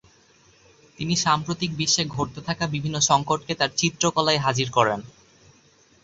তিনি সাম্প্রতিক বিশ্বে ঘটতে থাকা বিভিন্ন সংকটকে তাঁর চিত্রকলায় হাজির করেন।